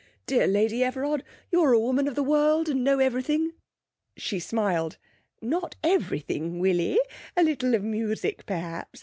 'Dear Lady Everard, you're a woman of the world, and know everything ' She smiled. 'Not everything, Willie; a little of music, perhaps.